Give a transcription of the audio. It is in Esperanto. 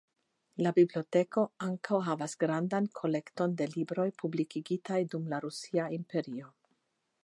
La biblioteko ankaŭ havas grandan kolekton de libroj publikigitaj dum la Rusia Imperio.